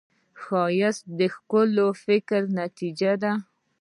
ښایست د ښکلي فکر نتیجه ده